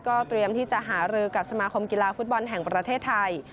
เตรียมที่จะหารือกับสมาคมกีฬาฟุตบอลแห่งประเทศไทย